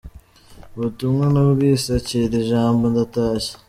Ubutumwa nabwise : Akira Ijambo ndatashye”.